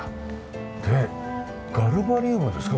でガルバリウムですか？